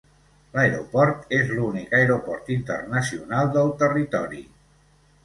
L'aeroport és l'únic aeroport internacional del territori.